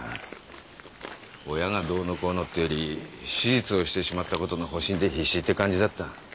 親がどうのこうのってより手術をしてしまったことの保身で必死って感じだった。